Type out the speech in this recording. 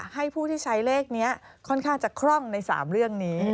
ผู้ที่ใช้เลขนี้ค่อนข้างจะคล่องใน๓เรื่องนี้